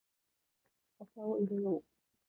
お茶を入れよう。